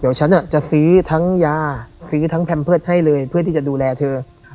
เดี๋ยวฉันจะซื้อทั้งยาซื้อทั้งแพมเพิร์ตให้เลยเพื่อที่จะดูแลเธอ